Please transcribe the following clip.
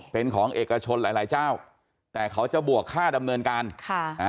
เป็นของเอกชนหลายหลายเจ้าแต่เขาจะบวกค่าดำเนินการค่ะอ่า